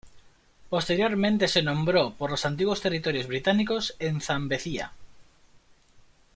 Posteriormente se nombró por los antiguos territorios británicos en Zambezia.